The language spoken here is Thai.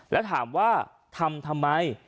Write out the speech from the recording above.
แล้วถามว่าทำทำไม